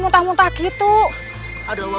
pak hari bapaknya sudah berubah